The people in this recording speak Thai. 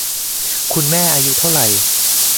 คุณแม่ อายุเท่าไหร